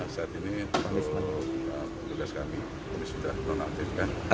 saat ini petugas kami kami sudah nonaktifkan